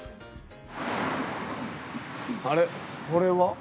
あれこれは？